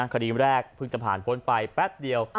คดีแรกเพิ่งจะผ่านพ้นไปแป๊บเดียว